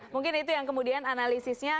mungkin itu yang kemudian analisisnya